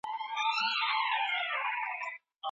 پر روغتیایي کارکوونکو بریدونه ولي کیږي؟